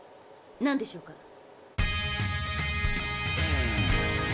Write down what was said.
なんでしょうか？